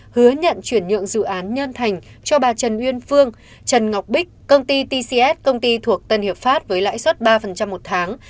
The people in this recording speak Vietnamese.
hứa nhận chuyển nhượng dự án nhân thành cho bà trần uyên phương trần ngọc bích công ty tcs công ty thuộc tân hiệp pháp với lãi suất ba một tháng